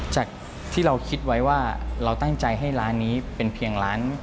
จากที่เราคิดไว้ว่าเราตั้งใจให้ร้านนี้เป็นเพียงร้าน